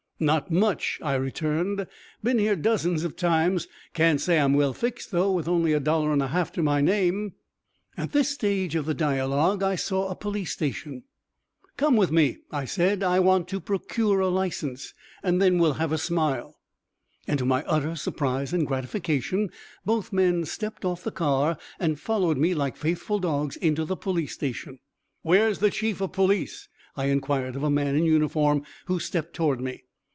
"Not much," I returned. "Been here dozens of times. Can't say I'm well fixed, though, with only a dollar and a half to my name." At this stage of the dialogue, I saw a police station. "Come with me," I said, "I want to procure a license. Then we'll have a 'smile.'" And, to my utter surprise and gratification, both men stepped off the car and followed me like faithful dogs into the police station. "Where's the Chief of Police?" I inquired of a man in uniform, who stepped toward me.